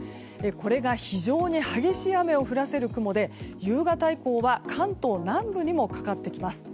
これが非常に激しい雨を降らせる雲で夕方以降は関東南部にもかかってきます。